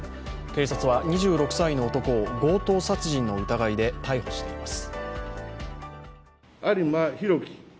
警察は２６歳の男を強盗殺人の疑いで逮捕しています。